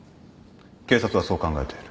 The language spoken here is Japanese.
警察はそう考えている。